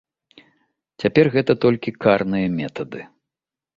Цяпер гэта толькі карныя метады.